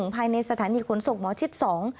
ภายในสถานีขุนศพหมอชิต๒